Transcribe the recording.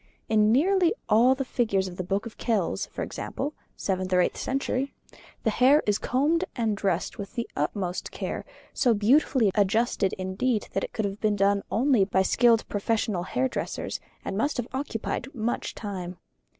In nearly all the figures of the Book of Kells, for example (seventh or eighth century), the hair is combed and dressed with the utmost care, so beautifully adjusted indeed that it could have been done only by skilled professional hairdressers, and must have occupied much time.